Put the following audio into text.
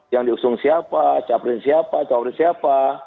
yang diusung siapa capresnya siapa cawapresnya siapa